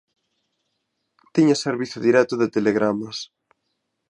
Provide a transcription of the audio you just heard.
Tiña servizo directo de telegramas.